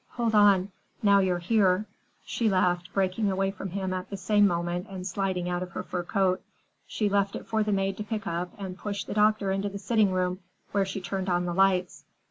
Hold on, now you're here," she laughed, breaking away from him at the same moment and sliding out of her fur coat. She left it for the maid to pick up and pushed the doctor into the sitting room, where she turned on the lights.